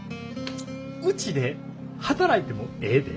ウチで働いてもええで。